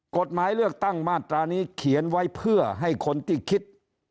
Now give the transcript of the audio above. กฎหมายเลือกตั้งมาตรานี้เขียนไว้เพื่อให้คนที่คิด